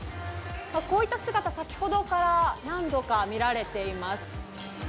こういった姿、先ほどから何度か見られています。